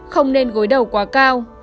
không nên gối đầu quá cao